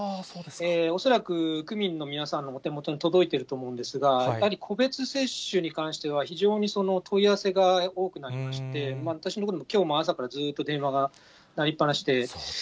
恐らく区民の皆さんのお手元に届いていると思うんですが、やはり個別接種に関しては非常に問い合わせが多くなりまして、私の所でも、きょうは朝からずーっと電話が鳴りっ放しで。